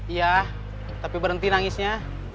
iya tapi berhenti nangisnya